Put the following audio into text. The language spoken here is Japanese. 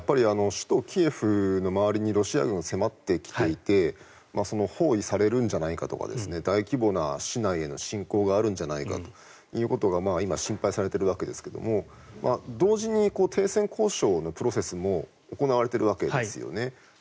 首都キエフの周りにロシア軍が迫ってきていて包囲されるんじゃないかとか大規模な市内への侵攻があるんじゃないかということが今、心配されているわけですが同時に停戦交渉のプロセスも行われているわけですよね。